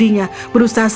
ini sudah terasa lebih baik